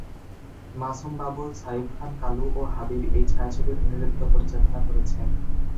মাসুম বাবুল, সাইফ খান কালু ও হাবিব এই ছায়াছবির নৃত্য পরিচালনা করেছেন।